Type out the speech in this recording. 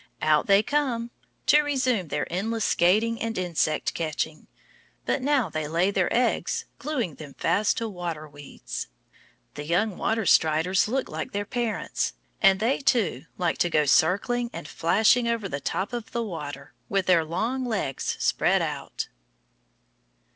Out they come, to resume their endless skating and insect catching, but now they lay their eggs, gluing them fast to water weeds. The young water striders look like their parents, and they, too, like to go circling and flashing over the top of the water, with their long legs spread out.